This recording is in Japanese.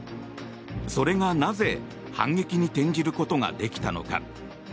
それがなぜ反撃に転じることができたのか。